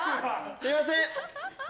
すいません